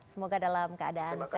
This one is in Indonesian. semoga dalam keadaan sehat